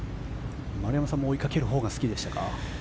丸山さんも追いかけるほうが好きでしたか？